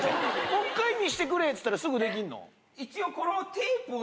もう一回見せてくれっつったらすぐできんの？